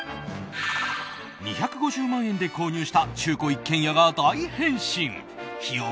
２５０万円で購入した中古一軒家が大変身！費用